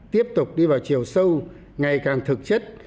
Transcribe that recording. tiếp tục đi vào chiều sâu ngày càng thực chất